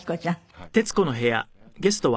はい。